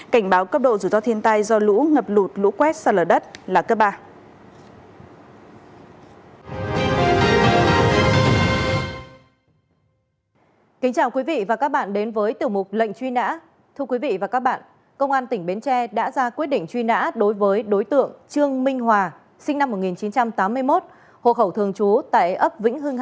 cảnh báo cấp độ rủi ro thiên tai do lũ ngập lụt lũ quét sạt lở đất là cấp ba